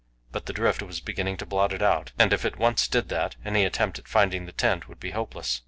But the drift was beginning to blot it out, and if it once did that, any attempt at finding the tent would be hopeless.